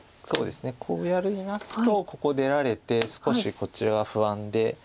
こうやりますとここ出られて少しこちら不安で。